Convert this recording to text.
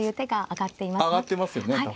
挙がってますよね。